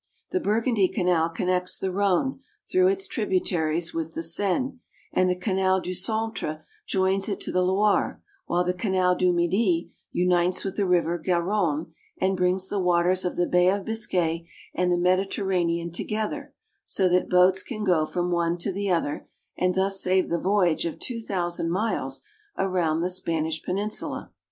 The Burgundy Canal connects the Rhone, through its tributaries, with the Seine, and the Canal du Centre joins it to the Loire, while the Canal du Midi unites with the river Garonne and brings the waters of the Bay of Biscay and the Mediterranean together, so that boats can go from one to the other and thus save the voyage of two thousand miles around the Spanish Peninsula.